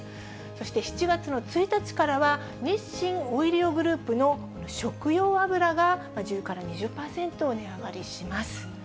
そして７月の１日からは、日清オイリオグループの食用油が１０から２０％値上がりします。